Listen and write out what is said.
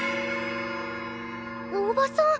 おばさん